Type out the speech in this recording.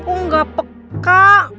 kok gak peka